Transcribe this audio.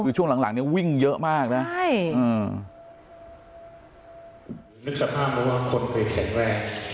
ดูช่วงหลังนี้วิ่งเยอะมากนะ